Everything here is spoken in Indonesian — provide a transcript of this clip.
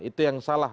itu yang salah